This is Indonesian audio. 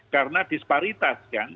karena disparitas kan